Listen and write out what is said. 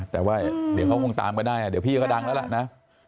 แต่ว่าเดี๋ยวเขาคงตามก็ได้เดี๋ยวพี่ก็ดังแล้วล่ะนะ